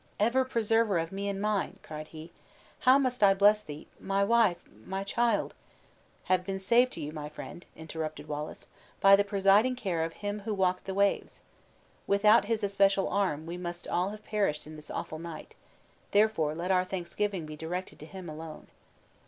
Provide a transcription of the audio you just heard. "Ever preserver of me and mine!" cried he, "how must I bless thee! My wife, my child " "Have been saved to you, my friend," interrupted Wallace, "by the presiding care of Him who walked the waves! Without His especial arm we must all have perished in this awful night; therefore let our thanksgivings be directed to Him alone."